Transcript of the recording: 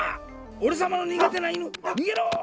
おれさまのにがてないぬ。にげろ！